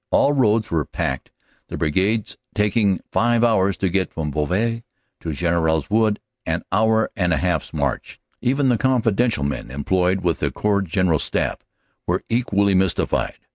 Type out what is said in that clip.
All roads were packed, the brigade taking five hours to get from Boves to Gentelles Wood an hour and a half s march. FROM ARRAS TO AMIENS 21 Even the confidential men employed with the Corps Gen eral Staff were equally mystified.